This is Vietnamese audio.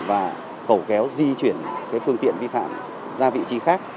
và cầu kéo di chuyển phương tiện vi phạm ra vị trí khác